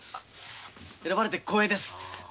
選ばれて光栄です。